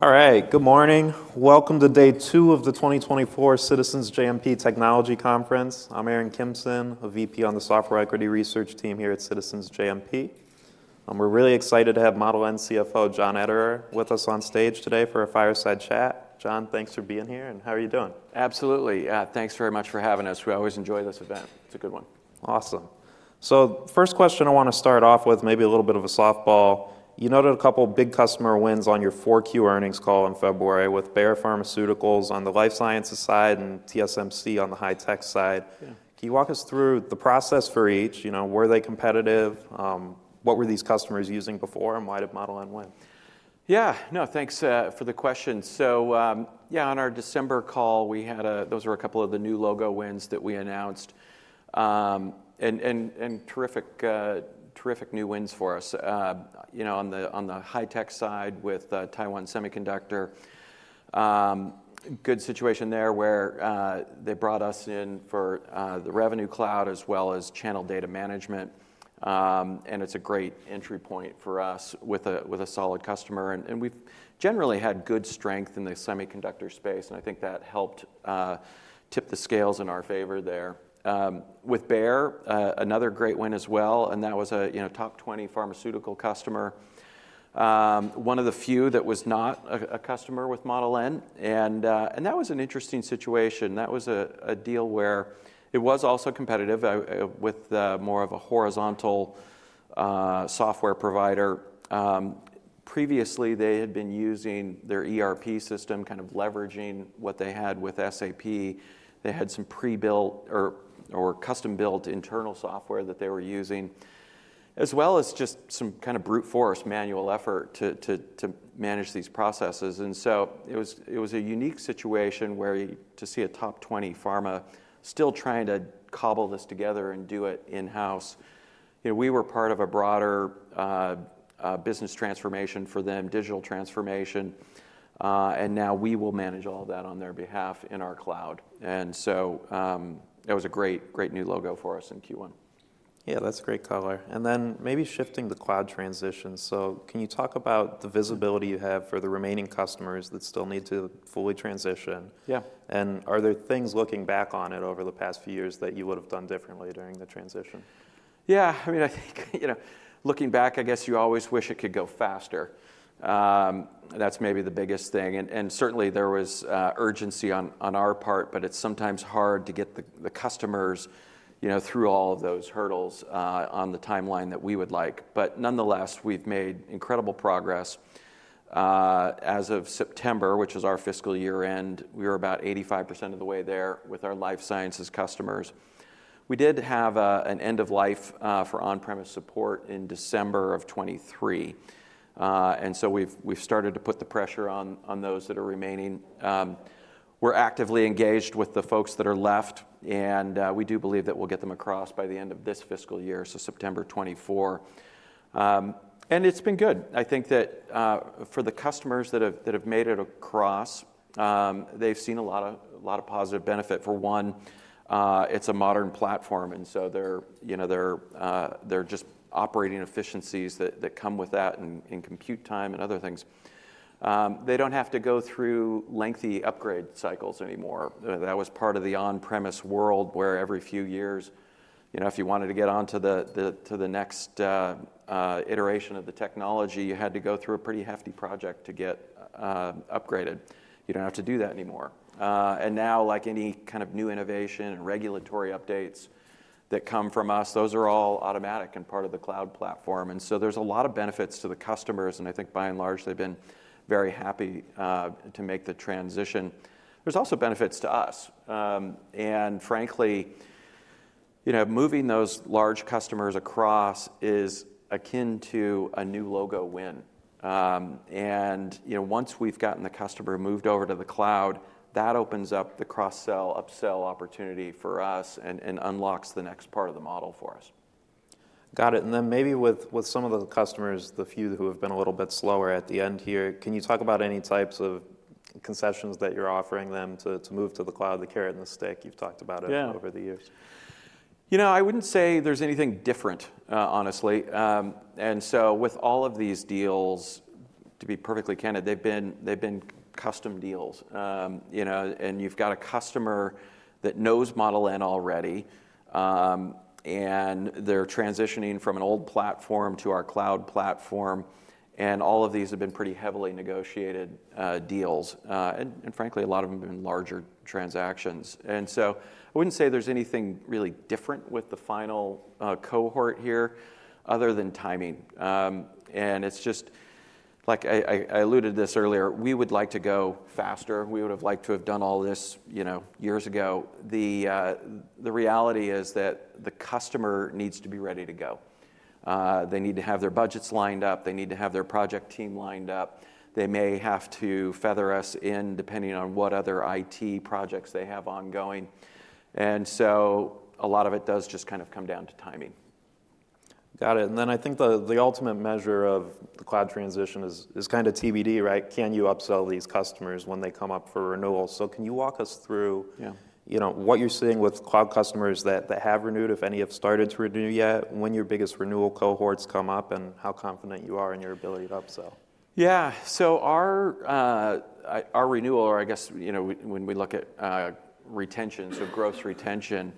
All right, good morning. Welcome to day two of the 2024 Citizens JMP Technology Conference. I'm Aaron Kimson, a VP on the Software Equity Research Team here at Citizens JMP. We're really excited to have Model N CFO John Ederer with us on stage today for a fireside chat. John, thanks for being here, and how are you doing? Absolutely. Thanks very much for having us. We always enjoy this event. It's a good one. Awesome. So first question I want to start off with, maybe a little bit of a softball. You noted a couple big customer wins on your 4Q earnings call in February with Bayer Pharmaceuticals on the life sciences side and TSMC on the high-tech side. Can you walk us through the process for each? Were they competitive? What were these customers using before, and why did Model N win? Yeah, no, thanks for the question. So yeah, on our December call, those were a couple of the new logo wins that we announced, and terrific new wins for us. On the high-tech side with Taiwan Semiconductor, good situation there where they brought us in for the Revenue Cloud as well as Channel Data Management, and it's a great entry point for us with a solid customer. And we've generally had good strength in the semiconductor space, and I think that helped tip the scales in our favor there. With Bayer, another great win as well, and that was a top 20 pharmaceutical customer, one of the few that was not a customer with Model N. And that was an interesting situation. That was a deal where it was also competitive with more of a horizontal software provider. Previously, they had been using their ERP system, kind of leveraging what they had with SAP. They had some pre-built or custom-built internal software that they were using, as well as just some kind of brute force, manual effort to manage these processes. And so it was a unique situation to see a top 20 pharma still trying to cobble this together and do it in-house. We were part of a broader business transformation for them, digital transformation, and now we will manage all of that on their behalf in our cloud. And so that was a great new logo for us in Q1. Yeah, that's a great color. Then maybe shifting the cloud transition, so can you talk about the visibility you have for the remaining customers that still need to fully transition? Are there things looking back on it over the past few years that you would have done differently during the transition? Yeah, I mean, I think looking back, I guess you always wish it could go faster. That's maybe the biggest thing. Certainly, there was urgency on our part, but it's sometimes hard to get the customers through all of those hurdles on the timeline that we would like. Nonetheless, we've made incredible progress. As of September, which is our fiscal year-end, we were about 85% of the way there with our life sciences customers. We did have an end-of-life for on-premise support in December of 2023, and so we've started to put the pressure on those that are remaining. We're actively engaged with the folks that are left, and we do believe that we'll get them across by the end of this fiscal year, so September 2024. It's been good. I think that for the customers that have made it across, they've seen a lot of positive benefit. For one, it's a modern platform, and so there are just operating efficiencies that come with that in compute time and other things. They don't have to go through lengthy upgrade cycles anymore. That was part of the on-premise world where every few years, if you wanted to get onto the next iteration of the technology, you had to go through a pretty hefty project to get upgraded. You don't have to do that anymore. Now, like any kind of new innovation and regulatory updates that come from us, those are all automatic and part of the cloud platform. So there's a lot of benefits to the customers, and I think by and large, they've been very happy to make the transition. There's also benefits to us. Frankly, moving those large customers across is akin to a new logo win. Once we've gotten the customer moved over to the cloud, that opens up the cross-sell, upsell opportunity for us and unlocks the next part of the model for us. Got it. And then maybe with some of the customers, the few who have been a little bit slower at the end here, can you talk about any types of concessions that you're offering them to move to the cloud, the carrot and the stick? You've talked about it over the years. You know, I wouldn't say there's anything different, honestly. And so with all of these deals, to be perfectly candid, they've been custom deals. And you've got a customer that knows Model N already, and they're transitioning from an old platform to our cloud platform, and all of these have been pretty heavily negotiated deals. And frankly, a lot of them have been larger transactions. And so I wouldn't say there's anything really different with the final cohort here other than timing. And it's just, like I alluded to this earlier, we would like to go faster. We would have liked to have done all this years ago. The reality is that the customer needs to be ready to go. They need to have their budgets lined up. They need to have their project team lined up. They may have to feather us in depending on what other IT projects they have ongoing. And so a lot of it does just kind of come down to timing. Got it. And then I think the ultimate measure of the cloud transition is kind of TBD, right? Can you upsell these customers when they come up for renewals? So can you walk us through what you're seeing with cloud customers that have renewed, if any have started to renew yet, when your biggest renewal cohorts come up, and how confident you are in your ability to upsell? Yeah, so our renewal, or I guess when we look at retention, so gross retention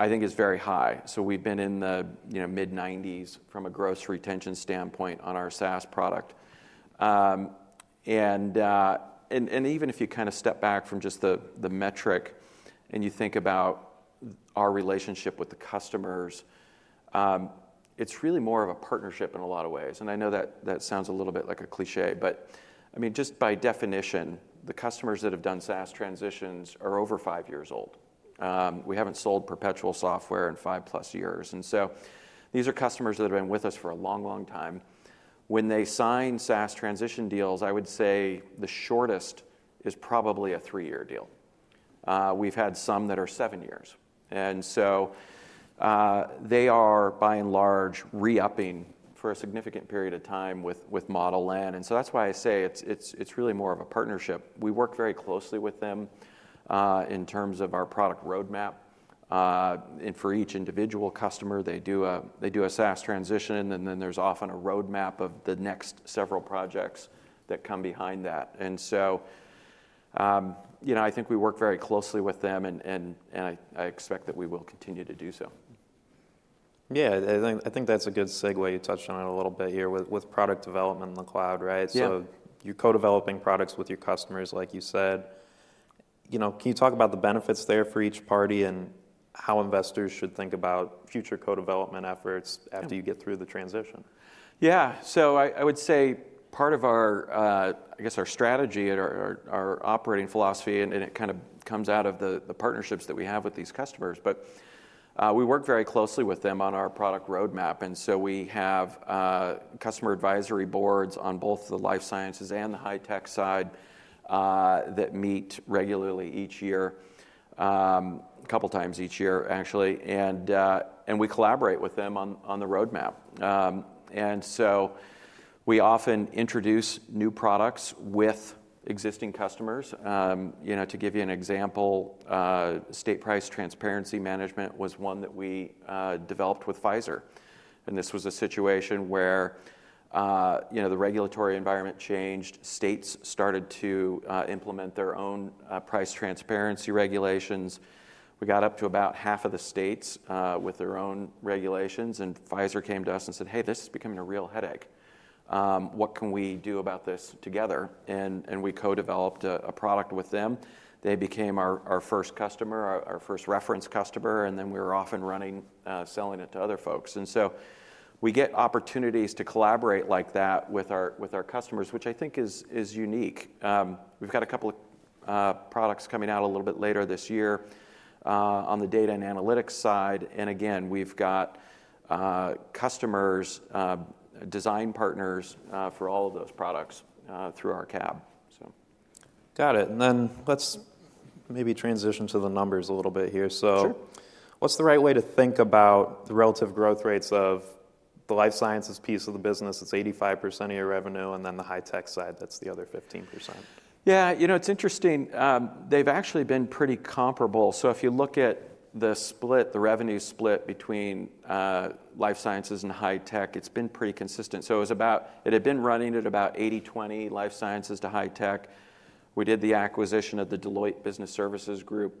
I think is very high. So we've been in the mid-90s% from a gross retention standpoint on our SaaS product. And even if you kind of step back from just the metric and you think about our relationship with the customers, it's really more of a partnership in a lot of ways. And I know that sounds a little bit like a cliché, but I mean, just by definition, the customers that have done SaaS transitions are over five years old. We haven't sold perpetual software in five-plus years. And so these are customers that have been with us for a long, long time. When they sign SaaS transition deals, I would say the shortest is probably a three-year deal. We've had some that are seven years. And so they are, by and large, re-upping for a significant period of time with Model N. And so that's why I say it's really more of a partnership. We work very closely with them in terms of our product roadmap. And for each individual customer, they do a SaaS transition, and then there's often a roadmap of the next several projects that come behind that. And so I think we work very closely with them, and I expect that we will continue to do so. Yeah, I think that's a good segue. You touched on it a little bit here with product development in the cloud, right? So you're co-developing products with your customers, like you said. Can you talk about the benefits there for each party and how investors should think about future co-development efforts after you get through the transition? Yeah, so I would say part of our, I guess, our strategy and our operating philosophy, and it kind of comes out of the partnerships that we have with these customers, but we work very closely with them on our product roadmap. And so we have Customer Advisory Boards on both the life sciences and the high-tech side that meet regularly each year, a couple times each year, actually. And we collaborate with them on the roadmap. And so we often introduce new products with existing customers. To give you an example, State Price Transparency Management was one that we developed with Pfizer. And this was a situation where the regulatory environment changed. States started to implement their own price transparency regulations. We got up to about half of the states with their own regulations, and Pfizer came to us and said, "Hey, this is becoming a real headache. What can we do about this together?" And we co-developed a product with them. They became our first customer, our first reference customer, and then we were often running, selling it to other folks. And so we get opportunities to collaborate like that with our customers, which I think is unique. We've got a couple of products coming out a little bit later this year on the data and analytics side. And again, we've got customers, design partners for all of those products through our CAB, so. Got it. And then let's maybe transition to the numbers a little bit here. So what's the right way to think about the relative growth rates of the life sciences piece of the business? It's 85% of your revenue, and then the high-tech side, that's the other 15%. Yeah, you know it's interesting. They've actually been pretty comparable. So if you look at the split, the revenue split between life sciences and high-tech, it's been pretty consistent. So it had been running at about 80/20 life sciences to high-tech. We did the acquisition of the Deloitte Business Services Group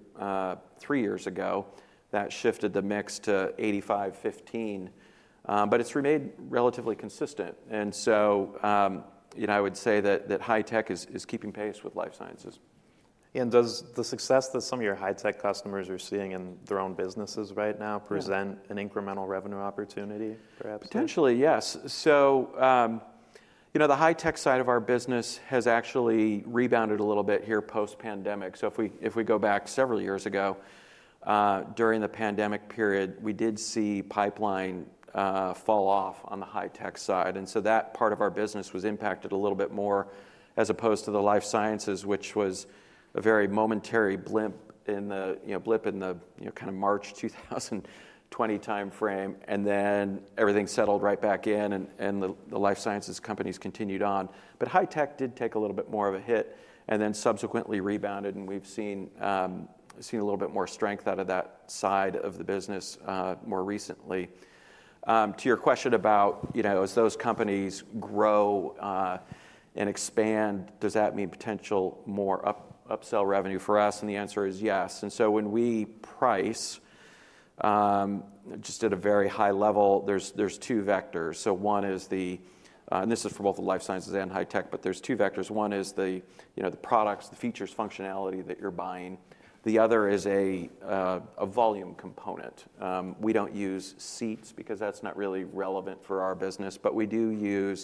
three years ago. That shifted the mix to 85/15, but it's remained relatively consistent. And so I would say that high-tech is keeping pace with life sciences. Does the success that some of your high-tech customers are seeing in their own businesses right now present an incremental revenue opportunity, perhaps? Potentially, yes. So the high-tech side of our business has actually rebounded a little bit here post-pandemic. So if we go back several years ago, during the pandemic period, we did see pipeline fall off on the high-tech side. And so that part of our business was impacted a little bit more as opposed to the life sciences, which was a very momentary blip in the kind of March 2020 time frame. And then everything settled right back in, and the life sciences companies continued on. But high-tech did take a little bit more of a hit and then subsequently rebounded, and we've seen a little bit more strength out of that side of the business more recently. To your question about, as those companies grow and expand, does that mean potential more upsell revenue for us? And the answer is yes. And so when we price just at a very high level, there's two vectors. So one is the, and this is for both the life sciences and high-tech, but there's two vectors. One is the products, the features, functionality that you're buying. The other is a volume component. We don't use seats because that's not really relevant for our business, but we do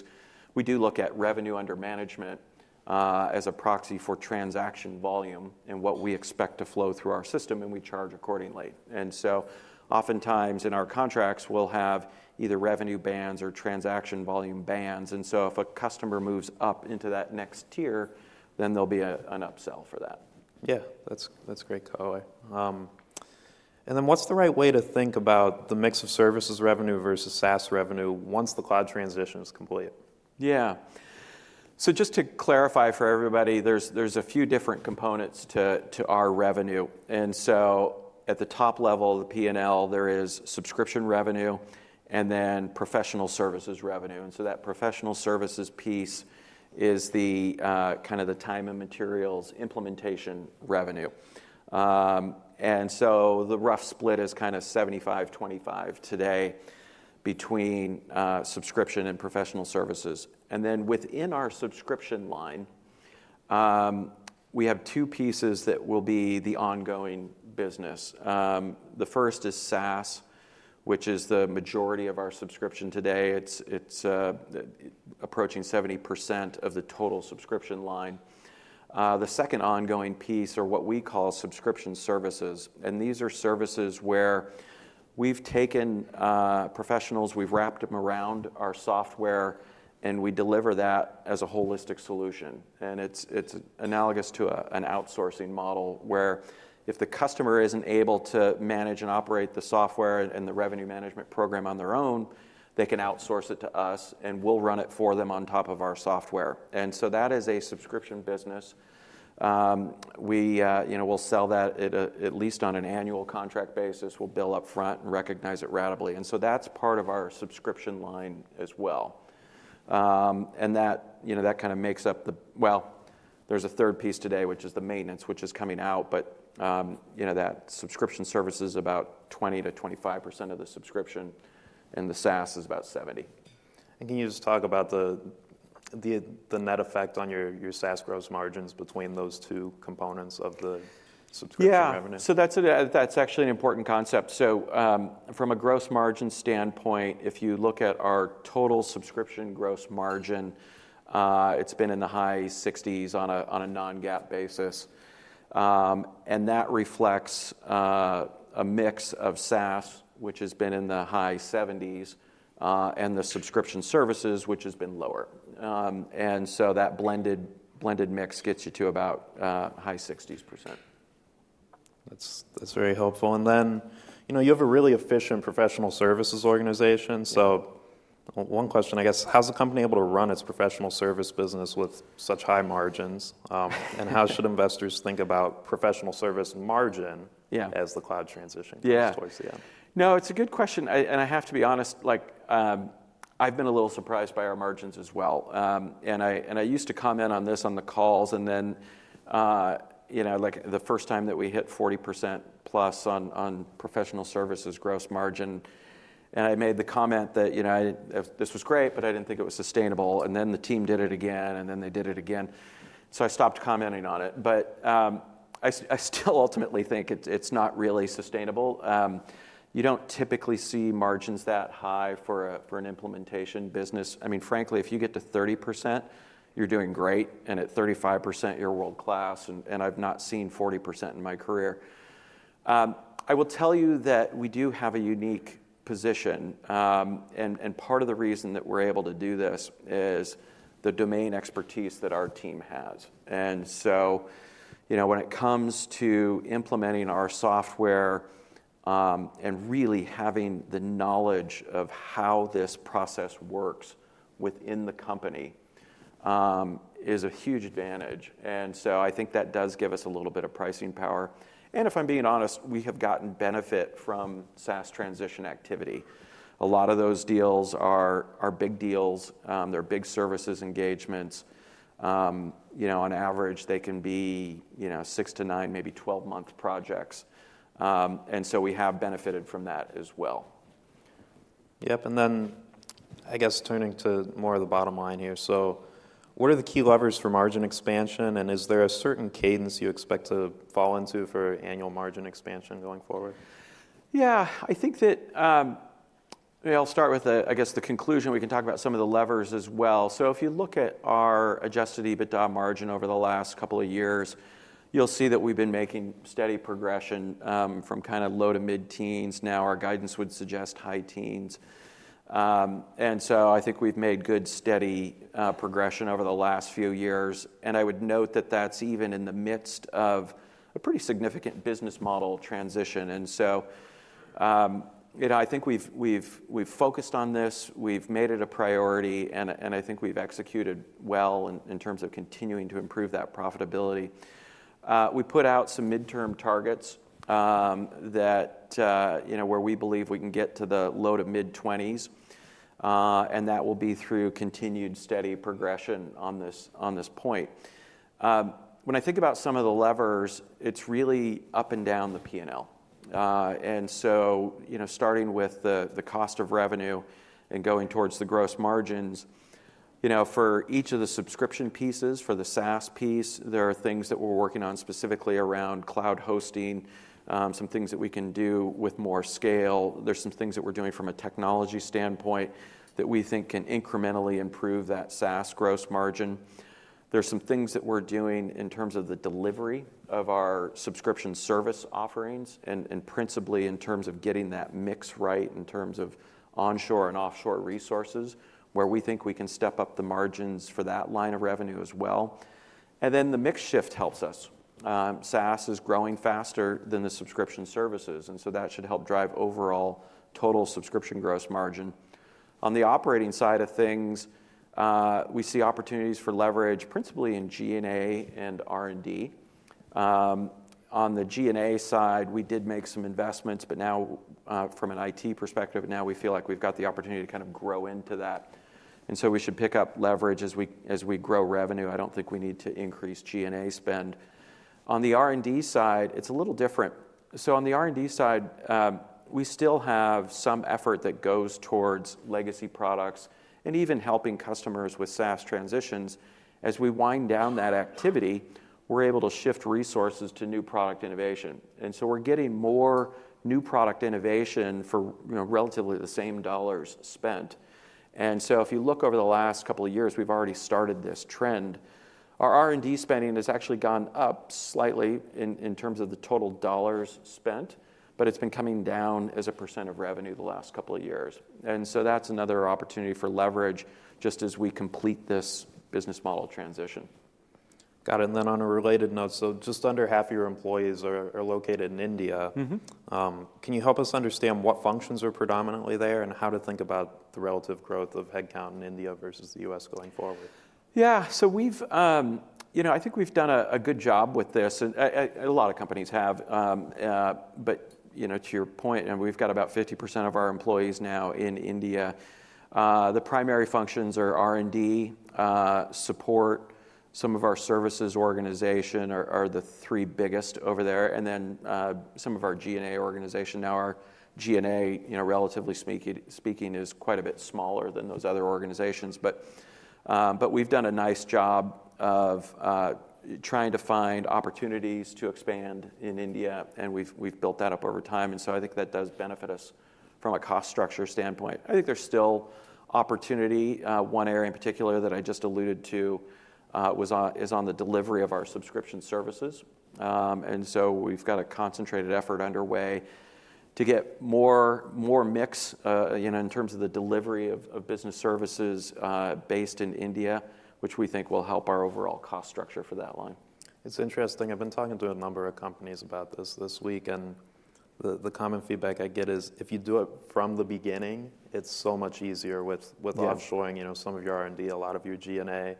look at revenue under management as a proxy for transaction volume and what we expect to flow through our system, and we charge accordingly. And so oftentimes in our contracts, we'll have either revenue bands or transaction volume bands. And so if a customer moves up into that next tier, then there'll be an upsell for that. Yeah, that's great cohort. And then what's the right way to think about the mix of services revenue versus SaaS revenue once the cloud transition is complete? Yeah, so just to clarify for everybody, there's a few different components to our revenue. At the top level, the P&L, there is subscription revenue and then professional services revenue. That professional services piece is kind of the time and materials implementation revenue. The rough split is kind of 75/25 today between subscription and professional services. Within our subscription line, we have two pieces that will be the ongoing business. The first is SaaS, which is the majority of our subscription today. It's approaching 70% of the total subscription line. The second ongoing piece are what we call subscription services. These are services where we've taken professionals, we've wrapped them around our software, and we deliver that as a holistic solution. It's analogous to an outsourcing model where if the customer isn't able to manage and operate the software and the revenue management program on their own, they can outsource it to us, and we'll run it for them on top of our software. So that is a subscription business. We'll sell that at least on an annual contract basis. We'll bill upfront and recognize it ratably. So that's part of our subscription line as well. That kind of makes up the, well, there's a third piece today, which is the maintenance, which is coming out, but that subscription service is about 20%-25% of the subscription, and the SaaS is about 70%. Can you just talk about the net effect on your SaaS gross margins between those two components of the subscription revenue? Yeah, so that's actually an important concept. So from a gross margin standpoint, if you look at our total subscription gross margin, it's been in the high 60s% on a non-GAAP basis. And that reflects a mix of SaaS, which has been in the high 70s%, and the subscription services, which has been lower. And so that blended mix gets you to about high 60%. That's very helpful. Then you have a really efficient professional services organization. One question, I guess, how's a company able to run its professional service business with such high margins? And how should investors think about professional service margin as the cloud transition comes towards the end? Yeah, no, it's a good question. I have to be honest, I've been a little surprised by our margins as well. And I used to comment on this on the calls, and then the first time that we hit 40%+ on professional services gross margin, and I made the comment that this was great, but I didn't think it was sustainable. And then the team did it again, and then they did it again. So I stopped commenting on it. But I still ultimately think it's not really sustainable. You don't typically see margins that high for an implementation business. I mean, frankly, if you get to 30%, you're doing great, and at 35%, you're world-class. And I've not seen 40% in my career. I will tell you that we do have a unique position. Part of the reason that we're able to do this is the domain expertise that our team has. So when it comes to implementing our software and really having the knowledge of how this process works within the company is a huge advantage. So I think that does give us a little bit of pricing power. And if I'm being honest, we have gotten benefit from SaaS transition activity. A lot of those deals are big deals. They're big services engagements. On average, they can be 6-9, maybe 12-month projects. So we have benefited from that as well. Yep, and then I guess, turning to more of the bottom line here. What are the key levers for margin expansion? Is there a certain cadence you expect to fall into for annual margin expansion going forward? Yeah, I think that I'll start with, I guess, the conclusion. We can talk about some of the levers as well. So if you look at our Adjusted EBITDA margin over the last couple of years, you'll see that we've been making steady progression from kind of low to mid-teens. Now our guidance would suggest high teens. And so I think we've made good steady progression over the last few years. And I would note that that's even in the midst of a pretty significant business model transition. And so I think we've focused on this. We've made it a priority, and I think we've executed well in terms of continuing to improve that profitability. We put out some midterm targets where we believe we can get to the low to mid-20s, and that will be through continued steady progression on this point. When I think about some of the levers, it's really up and down the P&L. And so starting with the cost of revenue and going towards the gross margins, for each of the subscription pieces, for the SaaS piece, there are things that we're working on specifically around cloud hosting, some things that we can do with more scale. There's some things that we're doing from a technology standpoint that we think can incrementally improve that SaaS gross margin. There's some things that we're doing in terms of the delivery of our subscription service offerings and principally in terms of getting that mix right in terms of onshore and offshore resources where we think we can step up the margins for that line of revenue as well. And then the mix shift helps us. SaaS is growing faster than the subscription services, and so that should help drive overall total subscription gross margin. On the operating side of things, we see opportunities for leverage principally in G&A and R&D. On the G&A side, we did make some investments, but now from an IT perspective, now we feel like we've got the opportunity to kind of grow into that. And so we should pick up leverage as we grow revenue. I don't think we need to increase G&A spend. On the R&D side, it's a little different. So on the R&D side, we still have some effort that goes towards legacy products and even helping customers with SaaS transitions. As we wind down that activity, we're able to shift resources to new product innovation. And so we're getting more new product innovation for relatively the same dollars spent. If you look over the last couple of years, we've already started this trend. Our R&D spending has actually gone up slightly in terms of the total dollars spent, but it's been coming down as a % of revenue the last couple of years. That's another opportunity for leverage just as we complete this business model transition. Got it. On a related note, so just under half of your employees are located in India. Can you help us understand what functions are predominantly there and how to think about the relative growth of headcount in India versus the U.S. going forward? Yeah, so I think we've done a good job with this. A lot of companies have. But to your point, and we've got about 50% of our employees now in India, the primary functions are R&D support. Some of our services organization are the three biggest over there. And then some of our G&A organization. Now our G&A, relatively speaking, is quite a bit smaller than those other organizations. But we've done a nice job of trying to find opportunities to expand in India, and we've built that up over time. And so I think that does benefit us from a cost structure standpoint. I think there's still opportunity. One area in particular that I just alluded to is on the delivery of our subscription services. And so we've got a concentrated effort underway to get more mix in terms of the delivery of business services based in India, which we think will help our overall cost structure for that line. It's interesting. I've been talking to a number of companies about this week, and the common feedback I get is if you do it from the beginning, it's so much easier with offshoring some of your R&D, a lot of your G&A.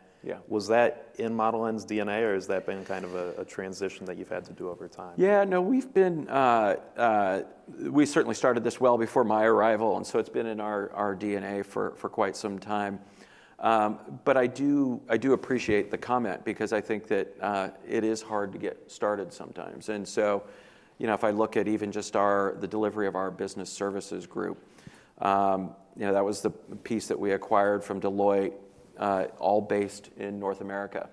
Was that in Model N's DNA, or has that been kind of a transition that you've had to do over time? Yeah, no, we've been, we certainly started this well before my arrival, and so it's been in our DNA for quite some time. But I do appreciate the comment because I think that it is hard to get started sometimes. And so if I look at even just the delivery of our Business Services Group, that was the piece that we acquired from Deloitte, all based in North America.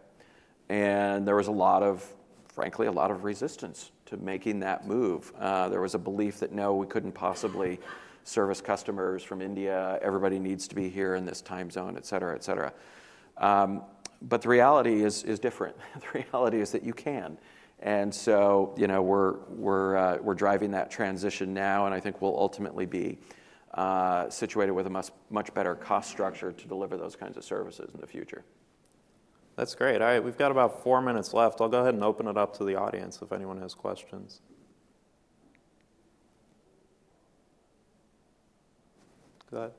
And there was a lot of, frankly, a lot of resistance to making that move. There was a belief that, no, we couldn't possibly service customers from India. Everybody needs to be here in this time zone, et cetera, et cetera. But the reality is different. The reality is that you can. And so we're driving that transition now, and I think we'll ultimately be situated with a much better cost structure to deliver those kinds of services in the future. That's great. All right, we've got about four minutes left. I'll go ahead and open it up to the audience if anyone has questions. Go ahead.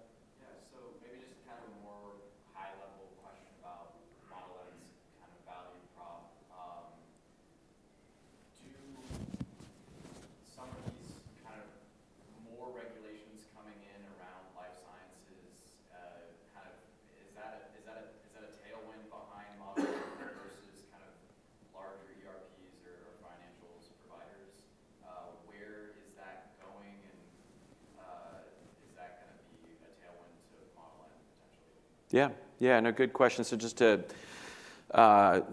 Yeah, so maybe just kind of a more high-level question about Model N's kind of value prop. Do some of these kind of more regulations coming in around life sciences, kind of is that a tailwind behind Model N versus kind of larger ERPs or financials providers? Where is that going, and is that going to be a tailwind to Model N potentially? Yeah, yeah, no, good question. So just to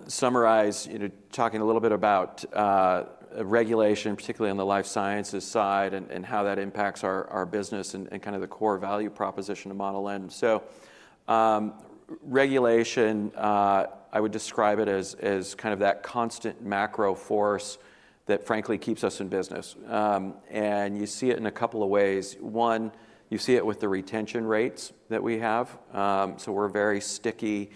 summarize, talking a little bit about regulation, particularly on the life sciences side and how that impacts our business and kind of the core value proposition of Model N. So regulation, I would describe it as kind of that constant macro force that frankly keeps us in business. And you see it in a couple of ways. One, you see it with the retention rates that we have. So we're very sticky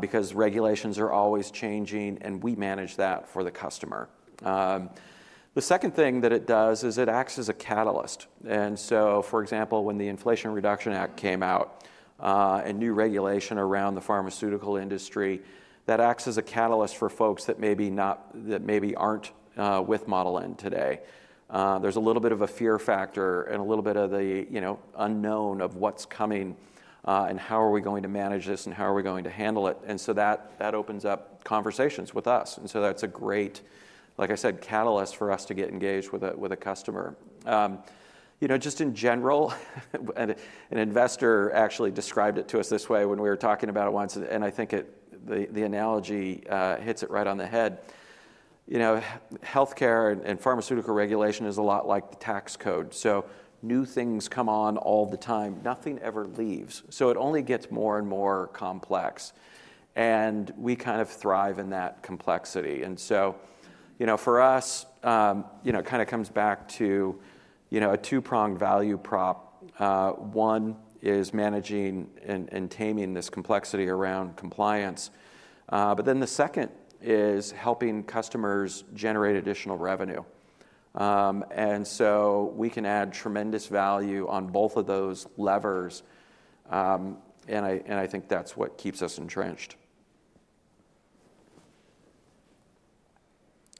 because regulations are always changing, and we manage that for the customer. The second thing that it does is it acts as a catalyst. And so, for example, when the Inflation Reduction Act came out and new regulation around the pharmaceutical industry, that acts as a catalyst for folks that maybe aren't with Model N today. There's a little bit of a fear factor and a little bit of the unknown of what's coming and how are we going to manage this and how are we going to handle it. And so that opens up conversations with us. And so that's a great, like I said, catalyst for us to get engaged with a customer. Just in general, an investor actually described it to us this way when we were talking about it once, and I think the analogy hits it right on the head. Health care and pharmaceutical regulation is a lot like the tax code. So new things come on all the time. Nothing ever leaves. So it only gets more and more complex. And we kind of thrive in that complexity. And so for us, it kind of comes back to a two-pronged value prop. One is managing and taming this complexity around compliance. But then the second is helping customers generate additional revenue. And so we can add tremendous value on both of those levers, and I think that's what keeps us entrenched.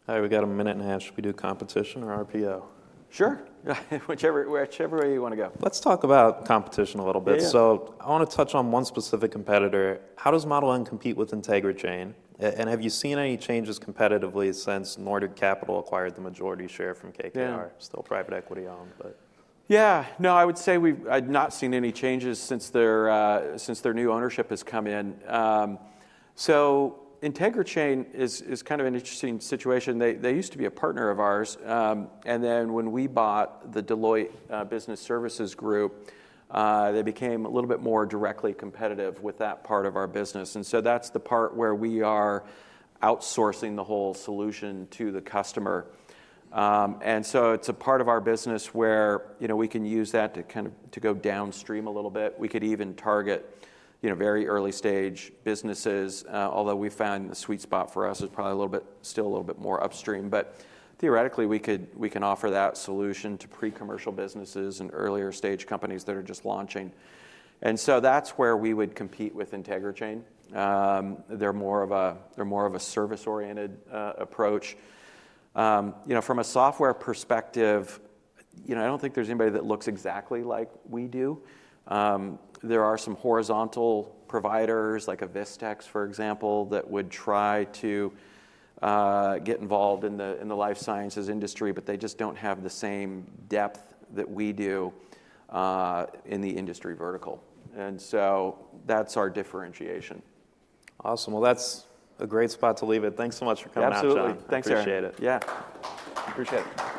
All right, we got a minute and a half. Should we do competition or RPO? Sure, whichever way you want to go. Let's talk about competition a little bit. So I want to touch on one specific competitor. How does Model N compete with IntegriChain? And have you seen any changes competitively since Nordic Capital acquired the majority share from KKR? Still private equity-owned, but. Yeah, no, I would say I've not seen any changes since their new ownership has come in. So IntegriChain is kind of an interesting situation. They used to be a partner of ours. And then when we bought the Deloitte Business Services Group, they became a little bit more directly competitive with that part of our business. And so that's the part where we are outsourcing the whole solution to the customer. And so it's a part of our business where we can use that to kind of go downstream a little bit. We could even target very early-stage businesses, although we found the sweet spot for us is probably a little bit, still a little bit more upstream. But theoretically, we can offer that solution to pre-commercial businesses and earlier-stage companies that are just launching. And so that's where we would compete with IntegriChain. They're more of a service-oriented approach. From a software perspective, I don't think there's anybody that looks exactly like we do. There are some horizontal providers like a Vistex, for example, that would try to get involved in the life sciences industry, but they just don't have the same depth that we do in the industry vertical. And so that's our differentiation. Awesome. Well, that's a great spot to leave it. Thanks so much for coming out today. Absolutely. Thanks, Aaron. I appreciate it. Yeah, appreciate it.